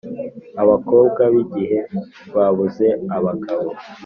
Abakobwa bikigihe babuze abagabo